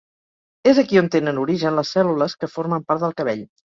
És aquí on tenen origen les cèl·lules que formen part del cabell.